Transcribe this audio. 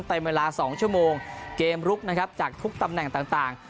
เต็มเวลา๒ชั่วโมงเกมลุกนะครับจากทุกตำแหน่งต่างต่าง